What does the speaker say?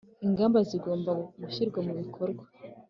ingamba zigomba gushyirwa mu bikorwa